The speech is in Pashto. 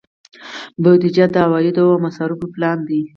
بودجه د عوایدو او مصارفو پلان دی